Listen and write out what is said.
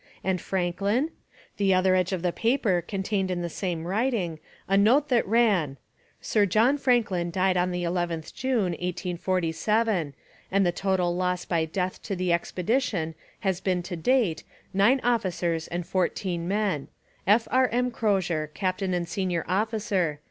And Franklin? The other edge of the paper contained in the same writing a note that ran: 'Sir John Franklin died on the 11th June 1847 and the total loss by death to the expedition has been to date 9 officers and 14 men. F. R. M. Crozier, Captain and Senior Officer.